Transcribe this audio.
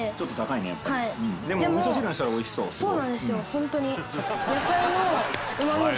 ホントに。